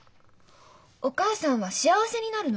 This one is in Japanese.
お母さんは幸せになるのよ。